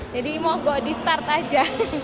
jadi mau go di start aja